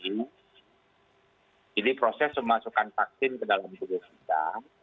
jadi proses memasukkan vaksin ke dalam tubuh kita